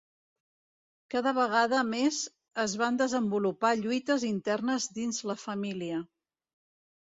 Cada vegada més es van desenvolupar lluites internes dins la família.